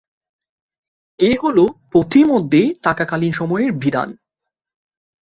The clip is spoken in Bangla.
এ হলো পথিমধ্যে থাকাকালীন সময়ের বিধান।